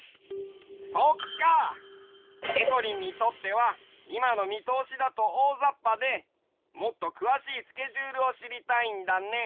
そっか！でこりんにとってはいまのみとおしだとおおざっぱでもっとくわしいスケジュールをしりたいんだね。